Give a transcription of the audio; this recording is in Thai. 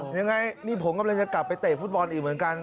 ยังไงนี่ผมกำลังจะกลับไปเตะฟุตบอลอีกเหมือนกัน